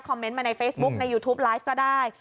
เมนต์มาในเฟซบุ๊คในยูทูปไลฟ์ก็ได้